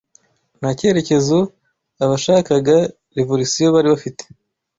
Nta cyerekezo abashakaga revolisiyo bari bafite